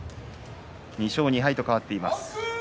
２勝２敗と変わっています。